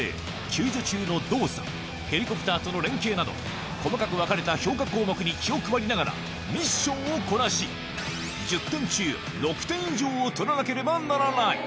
救助中の動作ヘリコプターとの連携など細かく分かれた評価項目に気を配りながらミッションをこなし１０点中６点以上を取らなければならない！